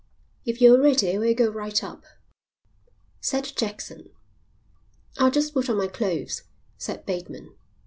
"If you're ready we'll go right up," said Jackson. "I'll just put on my clothes," said Bateman.